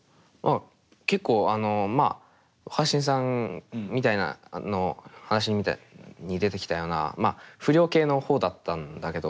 結構あのまあ若新さんの話みたいに出てきたようなまあ不良系の方だったんだけど。